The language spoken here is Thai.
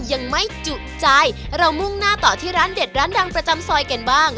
ยังไม่จุใจเรามุ่งหน้าต่อที่ร้านเด็ดร้านดังประจำซอยกันบ้าง